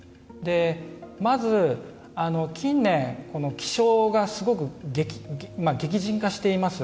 まず、近年気象がすごく激甚化しています。